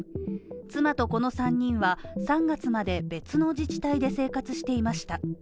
妻と子の３人は、３月まで別の自治体で生活していました。